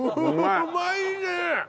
うまいね！